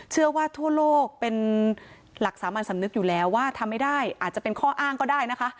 เชื่อว่าทั่วโลกเป็นหลักสามัญสำนึกอยู่แล้วว่าทำไม่ได้อาจจะเป็นข้ออ้างก็ได้นะคะ